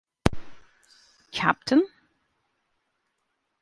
Capt.